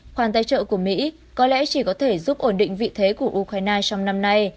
khoản tài trợ của mỹ có lẽ chỉ có thể giúp ổn định vị thế của ukraine trong năm nay